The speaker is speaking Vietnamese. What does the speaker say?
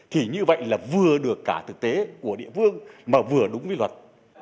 thì như vậy là vừa được cả thực tế của địa phương mà vừa đúng với luật